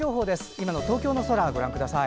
今の東京の空をご覧ください。